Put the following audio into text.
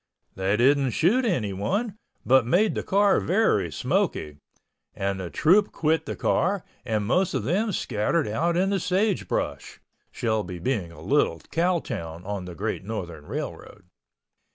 They didn't shoot anyone but made the car very smoky, and the troupe quit the car and most of them scattered out in the sagebrush, Shelby being a little cow town on the Great Northern Railroad.